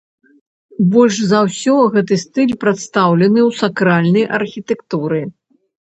Больш за ўсё гэты стыль прадстаўлены ў сакральнай архітэктуры.